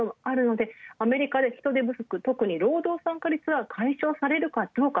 アメリカで人手不足、特に労働参加率が解消されるかどうか。